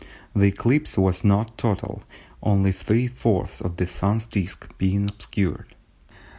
The eclipse was not total only three fourths of the Sun's disc being obscured.